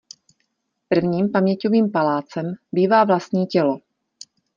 Prvním paměťovým palácem bývá vlastní tělo.